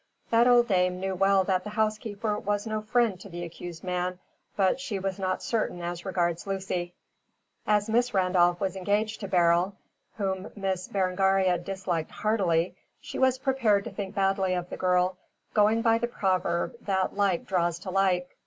That old dame knew well that the housekeeper was no friend to the accused man, but she was not certain as regards Lucy. As Miss Randolph was engaged to Beryl, whom Miss Berengaria disliked heartily, she was prepared to think badly of the girl, going by the proverb that like draws to like.